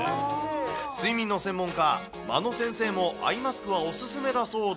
睡眠の専門家、眞野先生もアイマスクはお勧めだそうで。